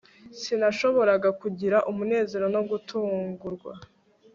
Sinashoboraga kugira umunezero no gutungurwa